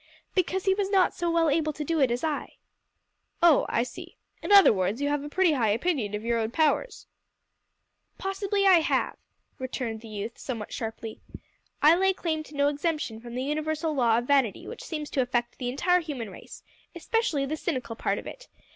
"Because he was not so well able to do it as I." "Oh! I see. In other words, you have a pretty high opinion of your own powers." "Possibly I have," returned the youth, somewhat sharply. "I lay claim to no exemption from the universal law of vanity which seems to affect the entire human race especially the cynical part of it.